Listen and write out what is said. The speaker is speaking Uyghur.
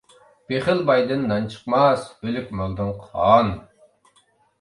بېخىل بايدىن نان چىقماس، ئۆلۈك مالدىن قان.